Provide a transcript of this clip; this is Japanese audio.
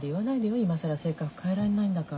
今更性格変えられないんだから。